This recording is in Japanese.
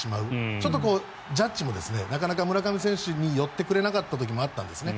ちょっとジャッジも村上選手に寄ってくれなかった時もあったんですね。